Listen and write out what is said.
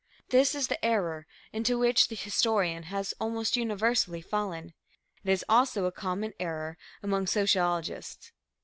This is the error into which the historian has almost universally fallen. It is also a common error among sociologists.